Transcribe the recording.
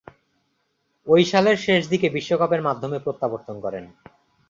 ঐ সালের শেষদিকে বিশ্বকাপের মাধ্যমে প্রত্যাবর্তন করেন।